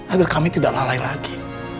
agar kami tidak lalai lagi